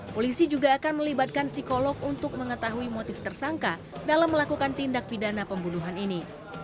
polisi juga akan melibatkan psikolog untuk mengetahui motif tersangka dalam melakukan tindak pidana pembunuhan ini